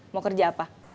mau kerja apa